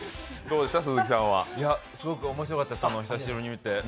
すごく面白かったです、久しぶりに見て。